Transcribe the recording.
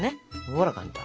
ほら簡単！